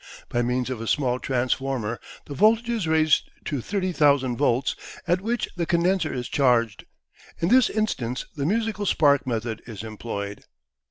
By means of a small transformer the voltage is raised to 30,000 volts, at which the condenser is charged. In this instance the musical spark method is employed.